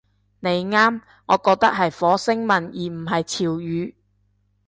你啱，我覺得係火星文而唔係潮語